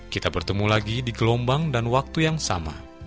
kita bertemu lagi di gelombang dan waktu yang sama